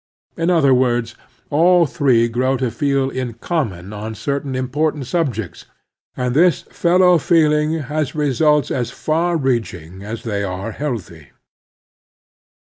In other words, all three grow to fed in common on certain important subjects, and this fellow feeling has results as far reaching as they are healthy.